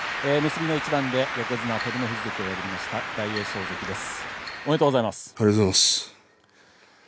結びの一番で横綱照ノ富士関を破りました大栄翔関です。